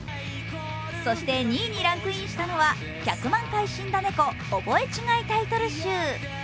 そして２位にランクインしたのは「１００万回死んだねこ覚え違いタイトル集」。